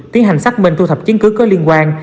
tiến hành xác minh thu thập chiến cứu có liên quan